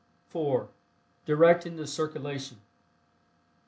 (4) DIRECTING THE CIRCULATION.